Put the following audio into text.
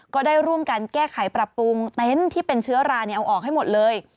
ก็ได้ร่วมกันแก้ไขปรับปรุงเต็นต์ที่เป็นเชื้อราเอาออกให้หมดเลย